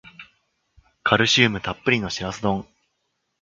カルシウムたっぷりのシラス丼